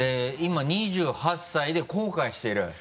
今２８歳で後悔してる。